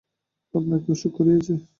আপনার কি অসুখ করিয়াছে।